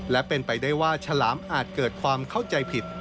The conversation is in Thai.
และเป็นไปได้ว่าฉลามอาจเกิดความเข้าใจผิด